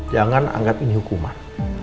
jangan angkat ini hukuman